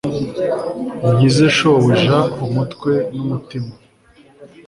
unkize, shobuja, umutwe n'umutima